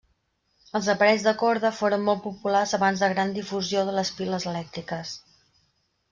Els aparells de corda foren molt populars abans de gran difusió de les piles elèctriques.